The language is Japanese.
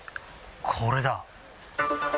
これだ。